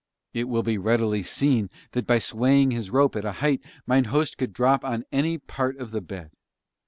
It will be readily seen that by swaying his rope at a height mine host could drop on any part of the bed.